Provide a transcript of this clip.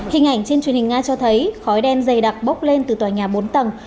hình ảnh trên truyền hình nga cho thấy khói đen dày đặc bốc lên từ tòa nhà bốn tầng